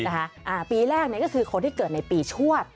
อ่าปีแรกเนี่ยก็คือคนที่เกิดในปีชวด